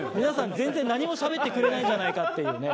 皆さん全然何もしゃべってくれないんじゃないかっていう。